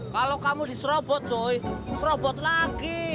kalau kamu diserobot joy serobot lagi